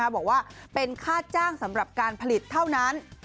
บอกว่าเป็นค่าจ้างสำหรับการผลิตเท่านั้น